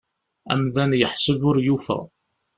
Amdan yeḥseb ur yufa.